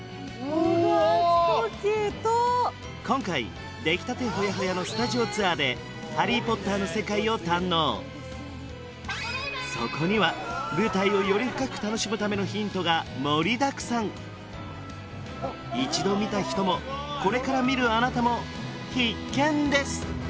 ホグワーツ特急と今回できたてほやほやのスタジオツアーでそこには舞台をより深く楽しむためのヒントが盛りだくさん一度見た人もこれから見るあなたも必見です